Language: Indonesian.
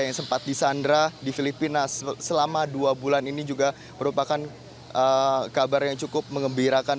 yang sempat disandra di filipina selama dua bulan ini juga merupakan kabar yang cukup mengembirakan